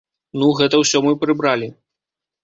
Ну, гэта ўсё мы прыбралі.